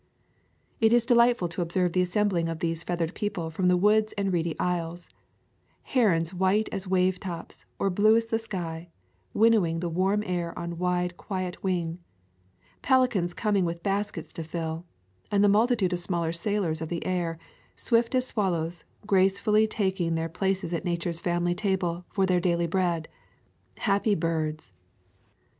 It is delightful to observe the assembling of these feathered people from the woods and reedy isles; herons white as wave tops, or blue as the sky, winnowing the warm air on wide quiet wing; pelicans coming with baskets to fill, and the multitude of smaller sailors of the air, swift as swallows, gracefully taking their places at Nature's family table for their daily bread. Happy birds!